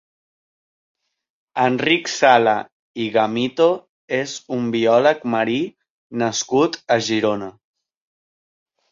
Enric Sala i Gamito és un biòleg marí nascut a Girona.